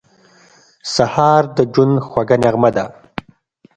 سهار د ژوند خوږه نغمه ده.